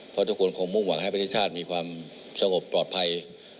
เพราะทุกคนคงมุ่งหวังให้ประเทศชาติมีความสงบปลอดภัย